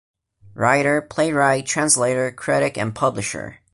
Writer, playwright, translator, critic, and publisher.